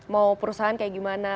mau perusahaan kayak gimana